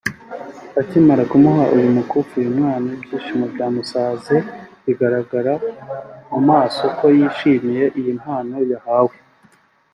Akimara kumuha uyu mukufi uyu mwana ibyishimo byamusaze bigaragara mu maso ko yishimiye iyi mpano yahawe